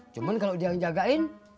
cuma kalau dia yang jagain